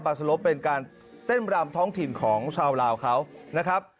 สลบเป็นการเต้นรำท้องถิ่นของชาวลาวเขานะครับ